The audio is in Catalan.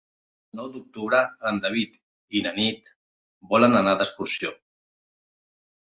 El nou d'octubre en David i na Nit volen anar d'excursió.